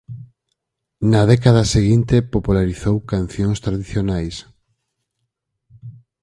Na década seguinte popularizou cancións tradicionais.